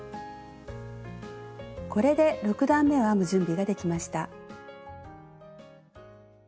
これで６段めを編む準備ができました。